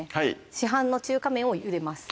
市販の中華麺をゆでます